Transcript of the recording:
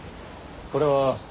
これは？